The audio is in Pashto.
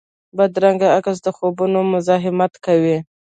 بدرنګه عکس د خوبونو مزاحمت کوي